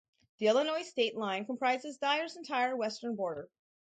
The Illinois state line comprises Dyer's entire western border.